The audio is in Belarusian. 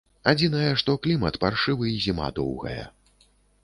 Адзінае, што клімат паршывы і зіма доўгая.